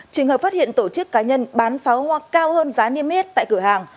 trường hợp phát hiện tổ chức cá nhân bán pháo hoa cao hơn giá niêm yết tại cửa hàng